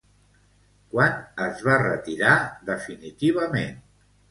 Quan es va retirar definitivament?